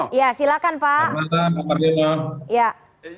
ya silahkan pak